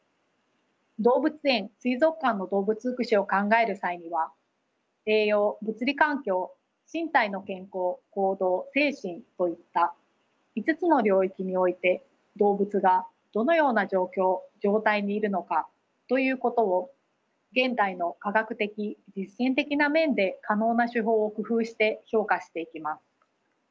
動物園水族館の動物福祉を考える際には栄養物理環境身体の健康行動精神といった５つの領域において動物がどのような状況状態にいるのかということを現代の科学的実践的な面で可能な手法を工夫して評価していきます。